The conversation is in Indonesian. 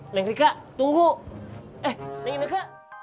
neng rika tunggu eh neng rika